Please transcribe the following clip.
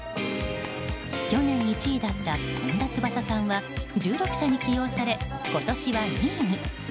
去年１位だった本田翼さんは１６社に起用され今年は２位に。